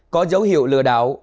có dấu hiệu lừa đảo